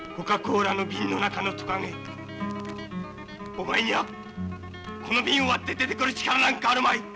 お前にはこの瓶を割って出てくる力なんかあるまい！